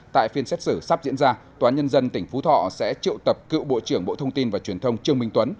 tại phiên xét xử sắp diễn ra tòa nhân dân tỉnh phú thọ sẽ triệu tập cựu bộ trưởng bộ thông tin và truyền thông trương minh tuấn